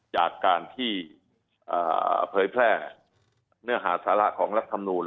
จากการที่เผยแพร่เนื้อหาศาละของลักษณุน